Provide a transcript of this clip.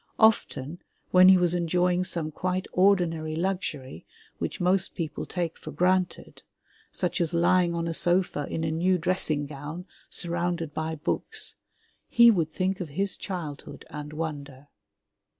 Often, when he was enjoying some quite ordinary luxury which most people take for granted, such as lying on a sofa in a new dressing gown, surrounded by books, he would think of his childhood and wonder.